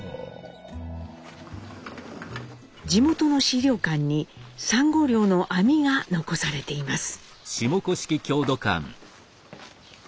地元の資料館にサンゴ漁の網が残されています。